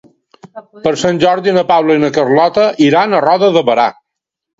Per Sant Jordi na Paula i na Carlota iran a Roda de Berà.